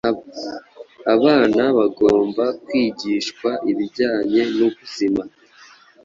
Abana bagomba kwigishwa ibijyanye n’ubuzima